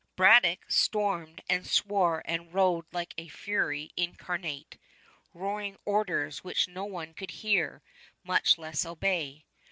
Braddock stormed and swore and rode like a fury incarnate, roaring orders which no one could hear, much less obey.